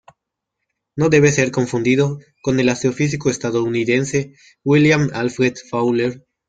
No debe ser confundido con el astrofísico estadounidense William Alfred Fowler.